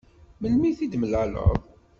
Melmi i t-id-temlaleḍ?